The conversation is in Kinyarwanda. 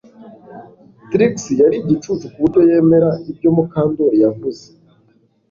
Trix yari igicucu kuburyo yemera ibyo Mukandoli yavuze